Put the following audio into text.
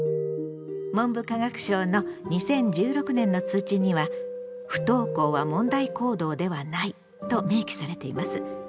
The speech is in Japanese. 文部科学省の２０１６年の通知には「不登校は問題行動ではない」と明記されています。